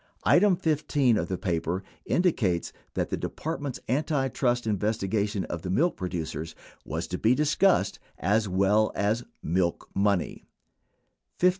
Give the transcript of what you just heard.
22 Item 15 of the paper indicates that the Department's antitrust investi gation of the milk producers was to be discussed, as well as "milk money" : 15.